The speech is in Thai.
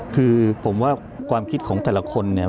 คือผมว่าความคิดของแต่ละคนเนี่ย